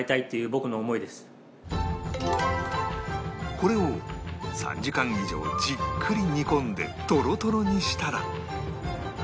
これを３時間以上じっくり煮込んでとろとろにしたら